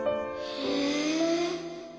へえ！